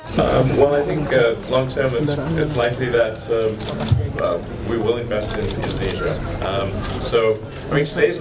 saya pikir kita ingin meninggalkan perkembangan kembangan kembang lain